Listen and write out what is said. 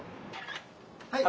はい。